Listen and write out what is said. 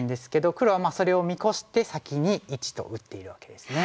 黒はそれを見越して先に①と打っているわけですね。